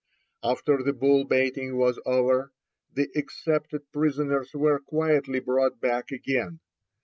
After the bull baiting was over, the excepted prisoners were quietly brought back again.